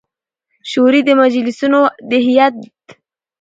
شوري د مجلسـینو د هیئـت د